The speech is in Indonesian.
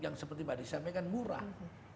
yang seperti mbak desi sampaikan murah